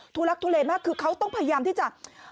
ลักทุเลมากคือเขาต้องพยายามที่จะ